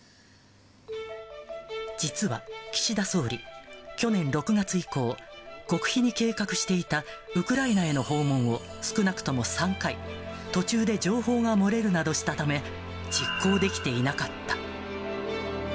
実は岸田総理、去年６月以降、極秘に計画していたウクライナへの訪問を少なくとも３回、途中で情報が漏れるなどしたため、実行できていなかった。